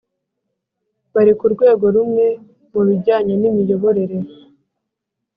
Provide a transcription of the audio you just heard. Bari ku rwego rumwe mubijyanye n’imiyoborere